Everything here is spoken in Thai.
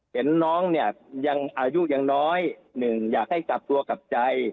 เห็นน้องเนี่ยยังอายุยังน้อยหนึ่งอยากให้กลับตัวกลับใจ